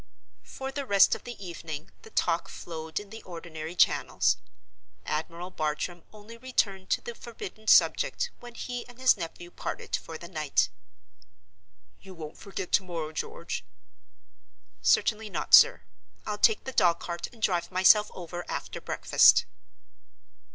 For the rest of the evening, the talk flowed in the ordinary channels. Admiral Bartram only returned to the forbidden subject when he and his nephew parted for the night. "You won't forget to morrow, George?" "Certainly not, sir. I'll take the dog cart, and drive myself over after breakfast."